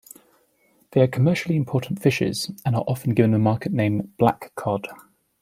They are commercially important fishes, and are often given the market name black cod.